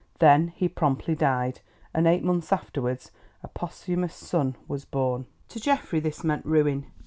Then he promptly died, and eight months afterwards a posthumous son was born. To Geoffrey this meant ruin.